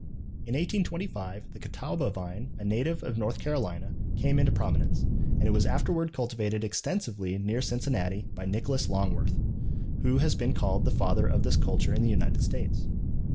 In 1825 the Catawba vine, a native of North Carolina, came into prominence; and it was afterward cultivated extensively near Cincinnati by Nicholas Longworth, who has been called the father of this culture in the United States.